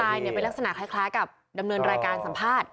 เป็นลักษณะคล้ายกับดำเนินรายการสัมภาษณ์